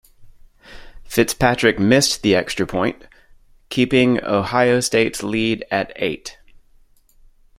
Fitzpatrick missed the extra point, keeping Ohio State's lead at eight.